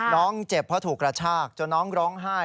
น้องเจ็บเพราะถูกกระชากจนน้องร้องไห้